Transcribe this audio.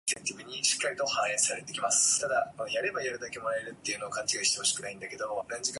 The suitable word for the given sentence is "prosecutor".